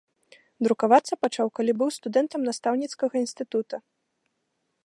Друкавацца пачаў, калі быў студэнтам настаўніцкага інстытута.